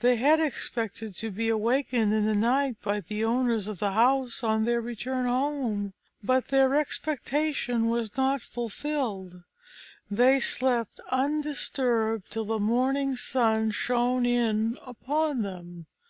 They had expected to be awakened in the night by the owners of the house on their return home, but their expectation was not fulfilled; they slept undisturbed till the morning sun shone in upon them.